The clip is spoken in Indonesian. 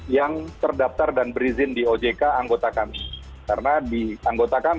yang terdaftar dan berizin di ojk anggotakan